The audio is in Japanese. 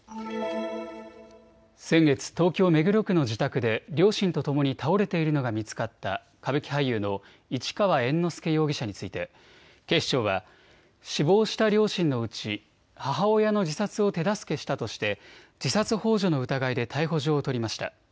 先月、東京目黒区の自宅で両親とともに倒れているのが見つかった歌舞伎俳優の市川猿之助容疑者について警視庁は死亡した両親のうち母親の自殺を手助けしたとして自殺ほう助の疑いで逮捕状を取りました。